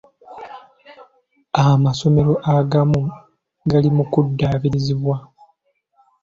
Amasomero agamu gali mu kuddaabirizibwa.